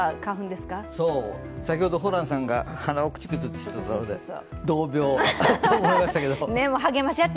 そう、先ほどホランさんが鼻をくちゅくちゅしていたので同病だと思いましたけど。